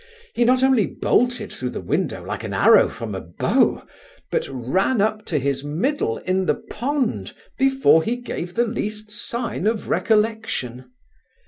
He not only bolted thro' the window like an arrow from a bow, but ran up to his middle in the pond before he gave the least sign of recollection.